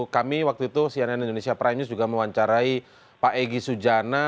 kami waktu itu cnn indonesia prime news juga mewawancarai pak egy sujana